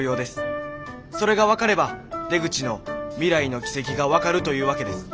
それが分かれば出口の未来の軌跡が分かるというわけです。